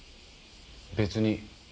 別に。